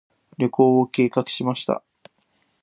旅行を計画しました。